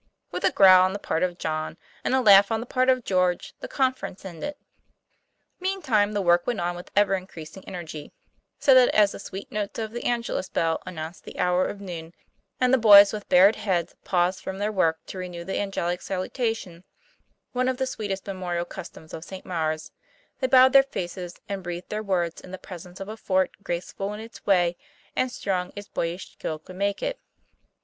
With a growl on the part of John, and a laugh on the part of George, the conference ended. Meantime, the work went on with ever increasing energy; so that, as the sweet notes of the Angelus bell announced the hour of noon, and the boys with bared heads paused from their work to renew the angelic salutation, one of the sweetest memorial customs of St. Maure's, they bowed their faces and breathed their words in the presence of a fort graceful in its way, and strong as boyish skill could make it.